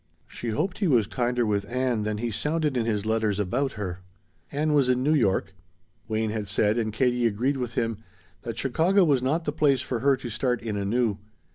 She hoped he was kinder with Ann than he sounded in his letters about her. Ann was in New York. Wayne had said, and Katie agreed with him, that Chicago was not the place for her to start in anew.